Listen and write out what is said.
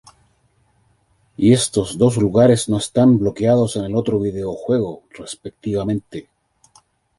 Y estos dos lugares no están bloqueados en el otro videojuego, respectivamente.